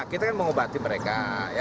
kita kan mengobati mereka